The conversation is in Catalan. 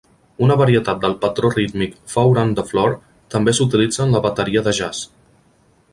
Una varietat del patró rítmic four-on-the-floor també s'utilitza en la bateria de jazz.